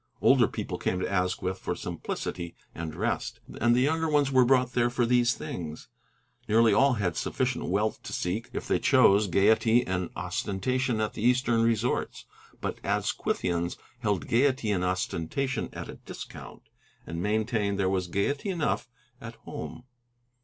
Older people came to Asquith for simplicity and rest, and the younger ones were brought there for these things. Nearly all had sufficient wealth to seek, if they chose, gayety and ostentation at the eastern resorts. But Asquithians held gayety and ostentation at a discount, and maintained there was gayety enough at home.